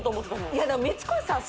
いやでも三越さん